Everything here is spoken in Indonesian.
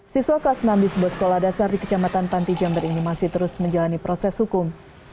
siswa kelas enam di sebuah sekolah dasar di kecamatan panti jember ini masih terus menjalani proses hukum